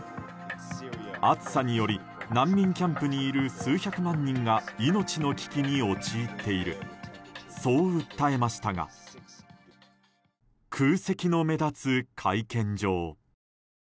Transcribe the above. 暑さにより難民キャンプにいる数百万人が命の危機に陥っているそう訴えましたが空席の目立つ会見場。